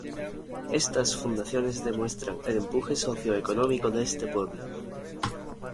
Estas fundaciones demuestran el empuje socioeconómico de este pueblo.